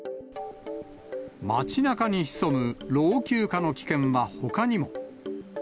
町なかに潜む老朽化の危険はほかにも。